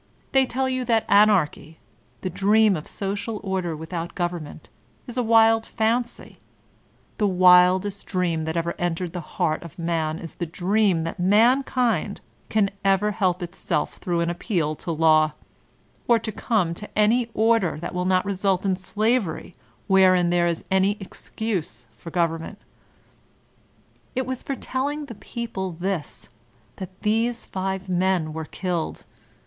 They tell you that Anarchy, the dream of social order with out goverment, is a wild fancy. The wildest dream that ever entered the heart of man is the dream that mankind can ever help itself through an appeal to law, or to come to any order that will not result in slavery wherein there is any excuse for government It was for telling the people this that these five men were killed.